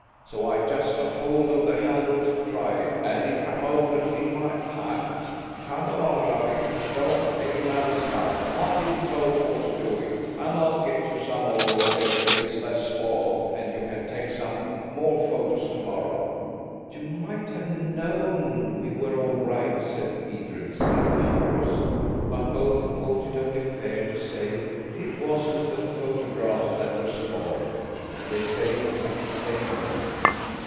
So I just got hold of the handle to try, and it come open in my hand. Come along, lovey; don't bear malice now. I didn't go for to do it. An' I'll get you some more of whatever it is that's spoiled, and you can take some more photos to morrow." "You might have known we were all right," said Edred, still furious; but both thought it only fair to say, "It wasn't the photographs that were spoiled"–and they said it at the same moment.